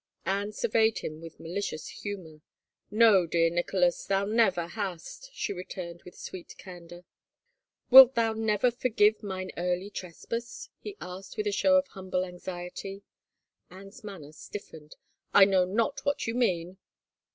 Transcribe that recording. Anne surveyed him with malicious hvmior, " No, dear Nicholas, thou never hast," she returned with sweet candor. Wilt thou never forgive mine early trespass ?" he asked with a show of hvmible anxiety. Anne's manner stiffened. " I know not what you mean."